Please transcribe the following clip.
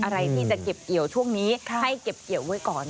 อะไรที่จะเก็บเกี่ยวช่วงนี้ให้เก็บเกี่ยวไว้ก่อน